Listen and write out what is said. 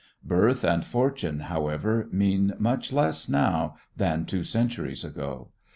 Birth and fortune, however, mean much less now than two centuries ago.